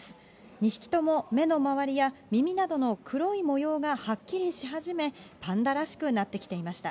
２匹とも、目の周りや耳などの黒い模様がはっきりし始め、パンダらしくなってきました。